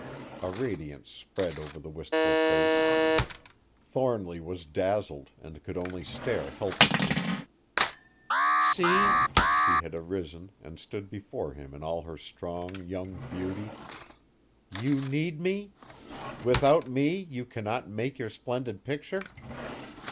A radiance spread over the wistful face. Thornly was dazzled and could only stare helplessly. "See," she had arisen, and stood before him in all her strong, young beauty; "you need me? Without me you cannot make your splendid picture?"